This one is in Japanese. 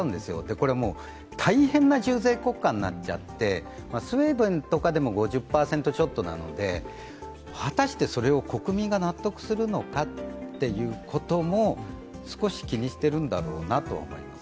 これは大変な重税国家になっちゃって、スウェーデンなどでも５０％ちょっとなので、果たして国民が納得するのかも少し気にしてるんだろうなと思います。